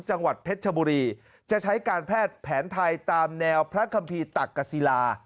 จังหวัดเพชรชบุรีจะใช้การแพทย์แผนไทยตามแนวพระคัมภีร์ตักกษีลา